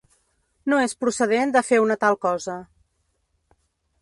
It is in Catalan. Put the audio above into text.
No és procedent de fer una tal cosa.